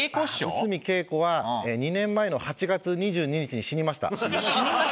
ああ内海桂子は２年前の８月２２日に死にました。